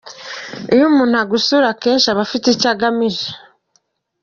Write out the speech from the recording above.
Iyo umuntu agusura kenshi aba afite icyo agamije.